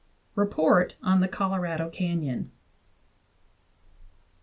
REPORT ON THE COLORADO CANYON.